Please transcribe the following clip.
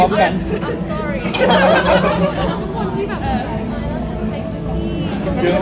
ทั้งคนที่แบบจริงไหมแล้วฉันใช้คุณที่